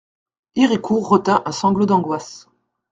Héricourt retint un sanglot d'angoisse.